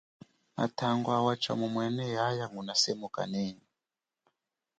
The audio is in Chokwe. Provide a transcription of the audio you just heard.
Matangwawa tshamumwene yaya nguna semukanenyi.